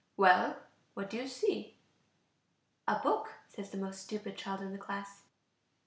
"Well, what do you see?" "A book," says the most stupid child in the class.